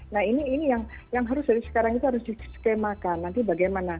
nah ini yang harus dari sekarang itu harus diskemakan nanti bagaimana